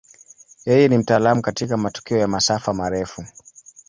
Yeye ni mtaalamu katika matukio ya masafa marefu.